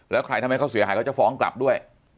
แล้วใครทำให้เขาเสียหายเขาจะฟ้องกลับด้วย